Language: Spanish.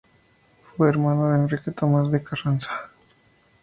Fue hermano de Enrique Thomas de Carranza.